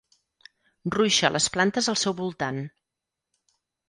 Ruixa les plantes al seu voltant.